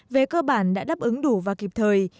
về cơ bản đã đáp ứng đủ và kịp thời